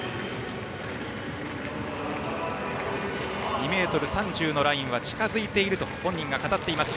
２ｍ３０のラインは近づいていると本人が語っています。